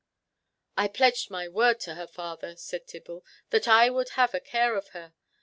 "I pledged my word to her father," said Tibble, "that I would have a care of her.